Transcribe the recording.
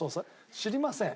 知りません。